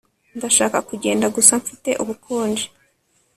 Ndashaka kugenda gusa mfite ubukonje